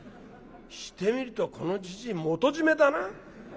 してみるとこのじじい元締めだな？